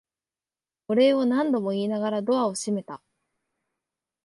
お礼を何度も言いながらドアを閉めた。